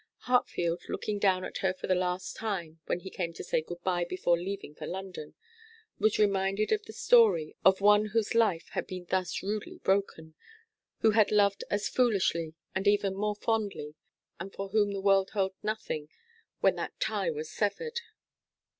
Hartfield, looking down at her for the last time when he came to say good bye before leaving for London, was reminded of the story of one whose life had been thus rudely broken, who had loved as foolishly and even more fondly, and for whom the world held nothing when that tie was severed.